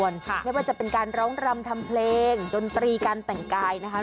รำทำเพลงดนตรีการแต่งกายนะคะ